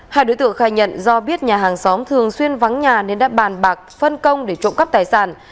hai đối tượng khai nhận do biết nhà hàng xóm thường xuyên vắng nhà nên đã bàn bạc phân công để trộm cắp tài sản